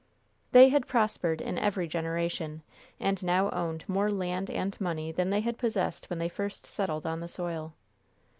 They had prospered in every generation, and now owned more land and money than they had possessed when they first settled on the soil.